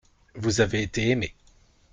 Vous avez été aimés.